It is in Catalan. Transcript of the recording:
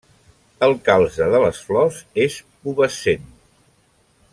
El calze de les flors és pubescent.